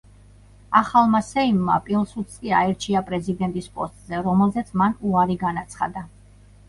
ახალმა სეიმმა პილსუდსკი აირჩია პრეზიდენტის პოსტზე, რომელზეც მან უარი განაცხადა.